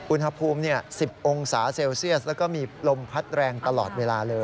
อุณหภูมิ๑๐องศาเซลเซียสแล้วก็มีลมพัดแรงตลอดเวลาเลย